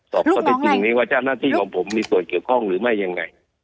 สอบข้อที่จริงนี้ว่าเจ้าหน้าที่ของผมมีส่วนเกี่ยวข้องหรือไม่ยังไง